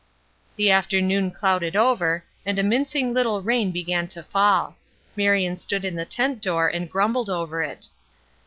The afternoon clouded over, and a mincing little rain began to fall. Marion stood in the tent door and grumbled over it.